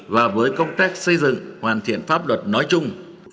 và với công tác xây dựng hoàn thiện pháp luật nói chung